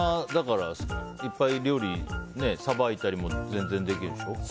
いっぱい魚さばいたりも全然できるでしょ？